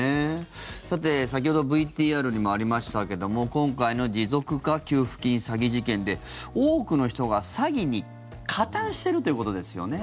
さて、先ほどＶＴＲにもありましたけども今回の持続化給付金詐欺事件で多くの人が詐欺に加担しているということですよね。